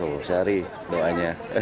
oh syari doanya